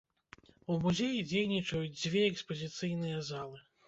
У музеі дзейнічаюць дзве экспазіцыйныя залы.